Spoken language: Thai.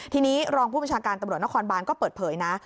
ทีนี้รองผู้บัญชาการตำรวจนครบานก็เปิดเผยนะ